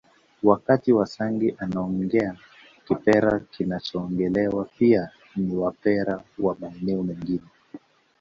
Wakati wasangi anaongea kipare kinachoongelewa pia na Wapare wa maeneo mengine